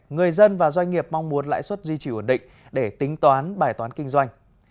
người dân và doanh nghiệp mong muốn lãi suất duy trì ổn định để tính toán bài toán kinh doanh